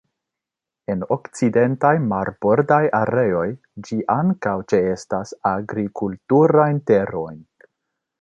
En okcidentaj marbordaj areoj, ĝi ankaŭ ĉeestas agrikulturajn terojn.